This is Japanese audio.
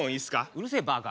うるせえバカ。